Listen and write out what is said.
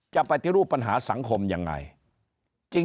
ปฏิรูปปัญหาสังคมยังไง